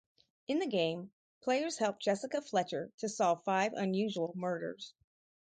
In the game, players help Jessica Fletcher to solve five unusual murders.